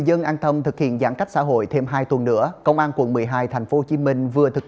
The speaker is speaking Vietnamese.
vừa giãn cách xã hội thêm hai tuần nữa